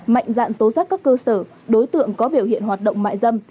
mạnh dạn tố giác các cơ sở đối tượng có biểu hiện hoạt động mại dâm